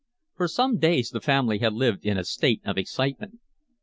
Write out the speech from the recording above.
For some days the family had lived in a state of excitement.